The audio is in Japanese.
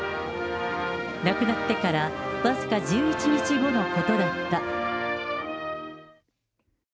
亡くなってから僅か１１日後のことだった。